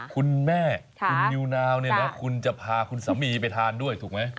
คุณแม่คุณนิวนาวเนี่ยนะคุณจะพาคุณสามีไปทานด้วยถูกไหม